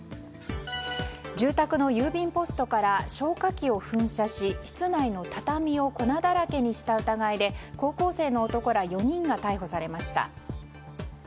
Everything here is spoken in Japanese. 住宅の郵便ポストから消火器を噴射し室内の畳を粉だらけにした疑いで高校生の男ら４人が逮捕されました。